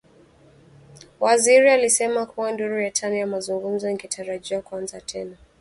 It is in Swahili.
Waziri alisema kuwa duru ya tano ya mazungumzo ingetarajiwa kuanza tena